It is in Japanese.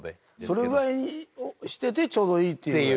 それぐらいにしててちょうどいいっていう。